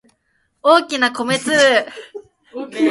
大きな米粒